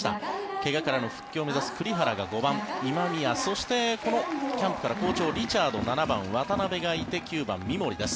怪我からの復帰を目指す栗原が５番今宮、そしてこのキャンプから好調リチャード渡邊がいて９番、三森です。